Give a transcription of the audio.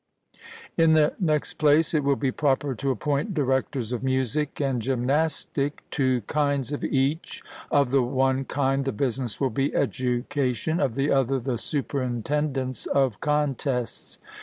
In the next place, it will be proper to appoint directors of music and gymnastic, two kinds of each of the one kind the business will be education, of the other, the superintendence of contests.